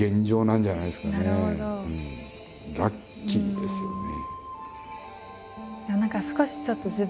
ラッキーですよね。